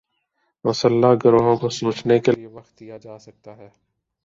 مسلح گروہوں کو سوچنے کے لیے وقت دیا جا سکتا ہے۔